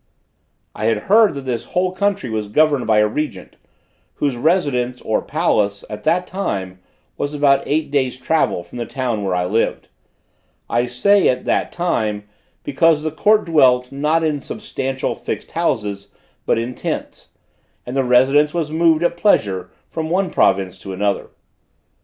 I had heard that this whole country was governed by a Regent, whose residence, or palace, at that time, was about eight days' travel from the town where I lived. I say at that time, because the court dwelt, not in substantial, fixed houses, but in tents; and the residence was moved at pleasure from one province to another.